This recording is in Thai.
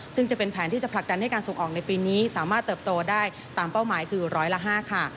ซึ่งจะเป็นแผนที่จะผลักดันให้การส่งออกในปีนี้สามารถเติบโตได้ตามเป้าหมายคือร้อยละ๕ค่ะ